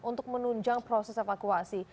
untuk menunjang proses evakuasi